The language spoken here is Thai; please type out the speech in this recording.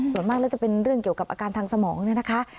ส่วนมากแล้วจะเป็นเรื่องเกี่ยวกับอาการทางสมองเนี่ยนะคะ